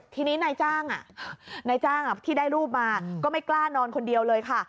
ทีนี้นายจ้างนายจ้างที่ได้รูปมาก็ไม่กล้านอนคนเดียวเลยค่ะ